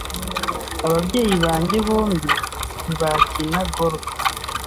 Ababyeyi banjye bombi ntibakina golf.